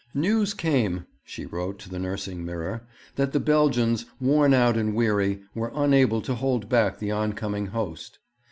'News came,' she wrote to the Nursing Mirror, 'that the Belgians, worn out and weary, were unable to hold back the oncoming host....